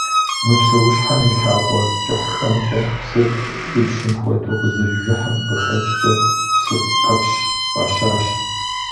Мы псэущхьэм и лъакъуэ кӀыхьхэмкӀэ псыр къипщым хуэдэу къызэрижыхьым къыхэкӀкӀэ псыкъэпщ фӀащащ.